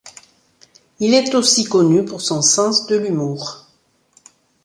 Il est aussi connu pour son sens de l'humour.